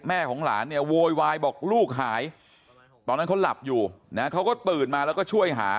ของหลานเนี่ยโวยวายบอกลูกหายตอนนั้นเขาหลับอยู่นะเขาก็ตื่นมาแล้วก็ช่วยหา